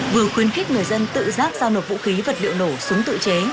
vừa khuyến khích người dân tự giác giao nộp vũ khí vật liệu nổ súng tự chế